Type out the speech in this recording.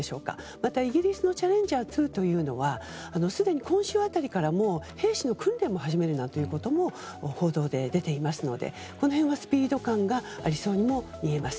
またイギリスのチャレンジャー２はすでに今週辺りから兵士の訓練なんかも始めると報道で出ていますのでこの辺はスピード感がありそうです。